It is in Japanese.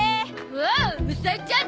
おおむさえちゃん。